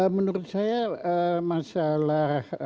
menurut saya masalah